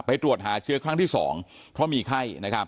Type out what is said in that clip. ตรวจหาเชื้อครั้งที่๒เพราะมีไข้